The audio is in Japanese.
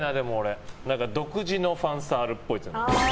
独自のファンサあるっぽい。